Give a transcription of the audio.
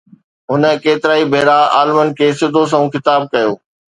هن ڪيترائي ڀيرا عالمن کي سڌو سنئون خطاب ڪيو.